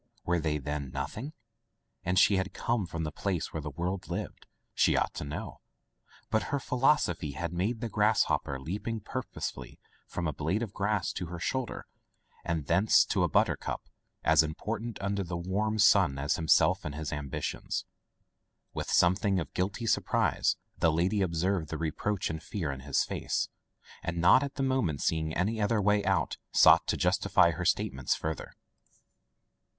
Were they, then, nothing ? And she had come from the place where the world lived. She ought to know. But her philosophy had made the grasshopper, leaping purposelessly from a blade of grass to her shoulder and thence to [ 299 ] Digitized by LjOOQ IC Interventions z buttercup, as important under the warm sun as himself and his ambitions. With something of guilty surprise the lady observed the reproach and fear in his face, and not at the moment seeing any other way out, sought to justify her statements further.